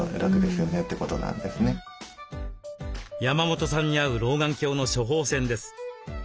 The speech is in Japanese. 山本さんに合う老眼鏡の処方箋です。